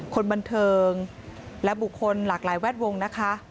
คนบันเทิงและบุคคลหลากหลายแวดวงนะคะ